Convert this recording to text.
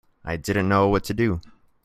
I didn't know what to do.